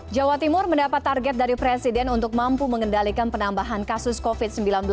jawa timur mendapat target dari presiden untuk mampu mengendalikan penambahan kasus covid sembilan belas